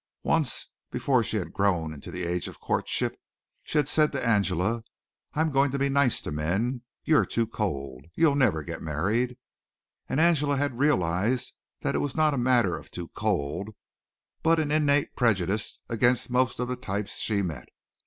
Once, before she had grown into the age of courtship, she had said to Angela: "I'm going to be nice to the men. You're too cold. You'll never get married." And Angela had realized that it was not a matter of "too cold," but an innate prejudice against most of the types she met.